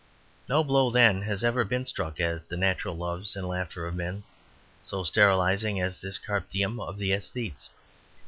No blow then has ever been struck at the natural loves and laughter of men so sterilizing as this carpe diem of the aesthetes.